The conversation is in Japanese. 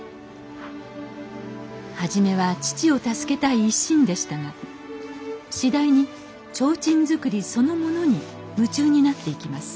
初めは父を助けたい一心でしたが次第に提灯作りそのものに夢中になっていきます